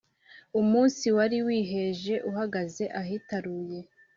umunsi wari wiheje uhagaze ahitaruye,